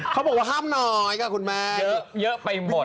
เขาบอกว่าห้ามน้อยค่ะคุณแม่เยอะไปหมด